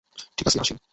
ঠিক আছে, আসি।